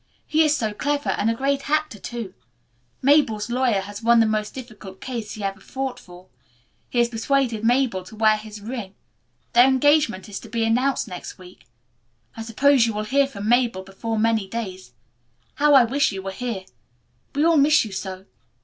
He is so clever, and a great actor too. Mabel's lawyer has won the most difficult case he ever fought for. He has persuaded Mabel to wear his ring. Their engagement is to be announced next week. I suppose you will hear from Mabel before many days. How I wish you were here. We all miss you so.